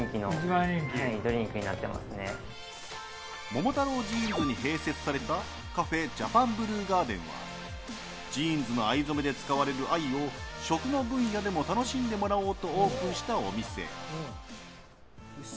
桃太郎ジーンズに併設されたＣＡＦＥＪＡＰＡＮＢＬＵＥＧＡＲＤＥＮはジーンズの藍染めで使われる藍を食の分野でも楽しんでもらおうとオープンしたお店。